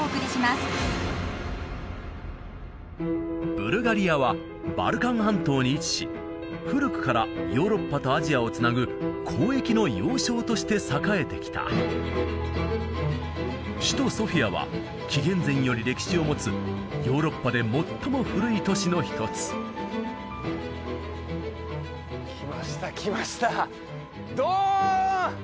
ブルガリアはバルカン半島に位置し古くからヨーロッパとアジアをつなぐ交易の要衝として栄えてきた首都ソフィアは紀元前より歴史を持つヨーロッパで最も古い都市の一つ来ました来ましたドーン！